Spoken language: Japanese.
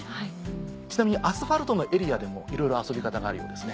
ちなみにアスファルトのエリアでもいろいろ遊び方があるようですね。